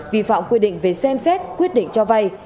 vi phạm quy định về xem xét quyết định cho vay